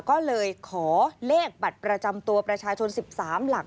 ก็เลยขอเลขบัตรประจำตัวประชาชน๑๓หลัก